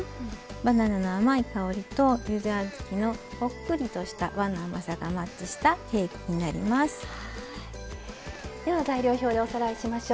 バナナの甘い香りとゆで小豆のほっくりとした甘さがマッチしたケーキになります。